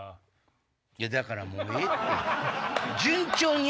いやだからもうええって！